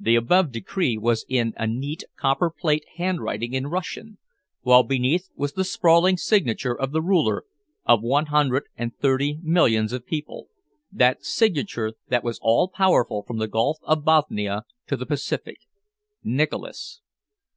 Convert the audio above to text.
The above decree was in a neat copper plate handwriting in Russian, while beneath was the sprawling signature of the ruler of one hundred and thirty millions of people, that signature that was all powerful from the gulf of Bothnia to the Pacific "Nicholas."